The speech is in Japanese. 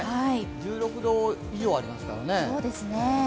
１６度以上ありますからね。